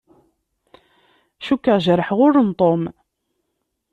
Cukkeɣ jerḥeɣ ul n Tom.